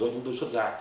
rồi chúng tôi xuất ra